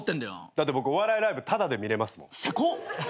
だって僕お笑いライブタダで見れますもん。